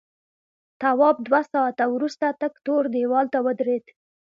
تواب دوه ساعته وروسته تک تور دیوال ته ودرېد.